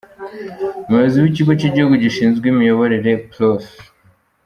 Umuyobozi w’Ikigo cy’Igihugu Gishinzwe Imiyoborere Prof .